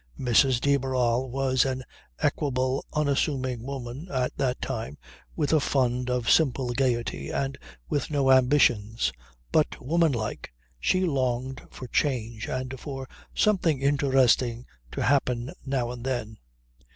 Mrs. de Barral was an equable, unassuming woman, at that time with a fund of simple gaiety, and with no ambitions; but, woman like, she longed for change and for something interesting to happen now and then.